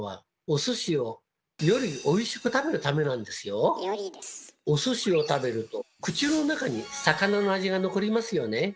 お寿司を食べると口の中に魚の味が残りますよね。